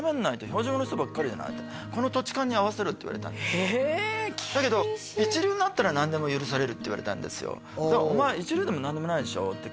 「標準語の人ばっかりじゃない」って「この土地勘に合わせろ」って言われたんですよだけど一流になったら何でも許されるって言われたんですよお前一流でも何でもないでしょ？